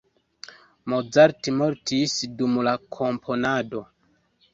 Mozart mortis dum la komponado.